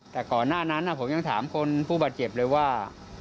แต่ก่อนหน้านั้นผมยังถามคนผู้บาดเจ็บเลยว่า